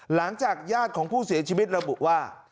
หลังจากญาติของผู้เสียชีวิตระบุว่า